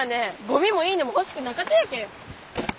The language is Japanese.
ゴミもいいねもほしくなかとやけん。